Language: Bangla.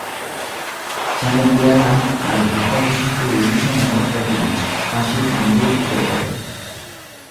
চায়ের পেয়ালা আর ভুক্তাবশিষ্ট রুটি সমেত একটা পিরিচ পাশে মেজের উপরে পড়ে।